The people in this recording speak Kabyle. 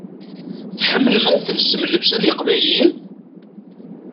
Tḥemmlem ad telsem llebsa n yeqbayliyen?